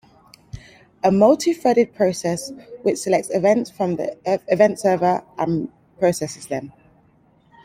A multi-threaded process which selects events from the Event Server and processes them.